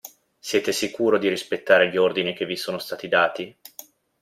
Siete sicuro di rispettare gli ordini che vi sono stati dati?